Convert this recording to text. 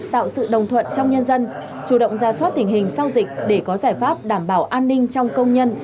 tạo sự đồng thuận trong nhân dân chủ động ra soát tình hình sau dịch để có giải pháp đảm bảo an ninh trong công nhân